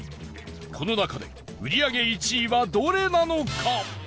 この中で、売り上げ１位はどれなのか？